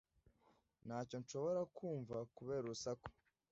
Ntacyo nshobora kumva kubera urusaku.